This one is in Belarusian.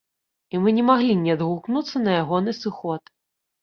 І мы не маглі не адгукнуцца на ягоны сыход.